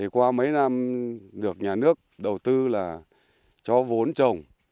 qua mấy năm được nhà nước đầu tư là cho vốn trồng